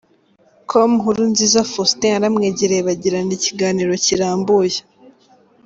com Nkurunziza Faustin yaramwegere bagirana ikiganiro kirambuye.